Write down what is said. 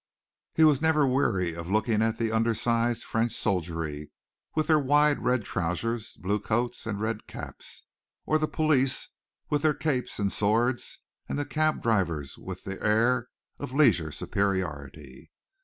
He was never weary of looking at the undersized French soldiery with their wide red trousers, blue coats and red caps, or the police with their capes and swords and the cab drivers with their air of leisurely superiority.